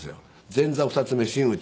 前座二ツ目真打ち。